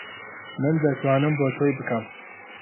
من دەتوانم بۆ تۆی بکەم.